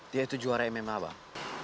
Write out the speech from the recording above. dia itu juara mma bang